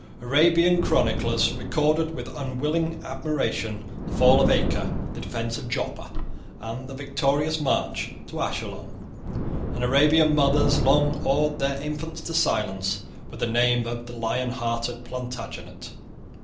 Arabian chroniclers recorded with unwilling admiration the fall of Acre, the defence of Joppa, and the victorious march to Ascalon; and Arabian mothers long awed their infants to silence with the name of the lionhearted Plantagenet.